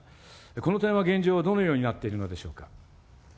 この点は現状、どのようになっているのでしょうか。